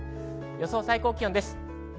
予想最高気温です。